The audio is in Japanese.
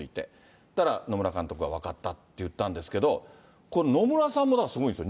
そうしたら、野村監督は分かったって言ったんですけど、これ、野村さんもだからすごいんですよ。